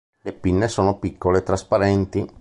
Le pinne sono piccole e trasparenti.